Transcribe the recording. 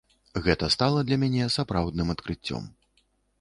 Гэта стала для мяне сапраўдным адкрыццём.